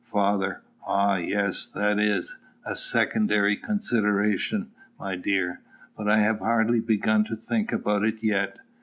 Father. Ah, yes! that is a secondary consideration, my dear. But I have hardly begun to think about it yet.